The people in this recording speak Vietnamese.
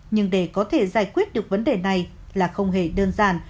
nhưng để có thể giải quyết được vấn đề này là không hề đơn giản